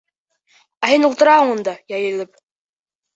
Ә һин ултыраһың унда йәйелеп.